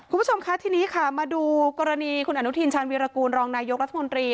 คุณผู้ชมคะทีนี้ค่ะมาดูกรณีคุณอนุทินชาญวีรกูลรองนายกรัฐมนตรี